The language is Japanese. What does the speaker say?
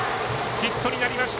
ヒットになりました。